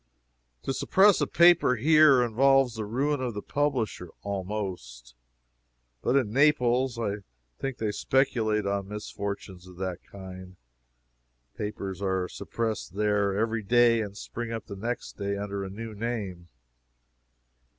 To suppress a paper here involves the ruin of the publisher, almost. But in Naples I think they speculate on misfortunes of that kind. Papers are suppressed there every day, and spring up the next day under a new name.